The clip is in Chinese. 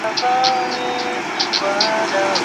最大的激酶族群是蛋白激酶。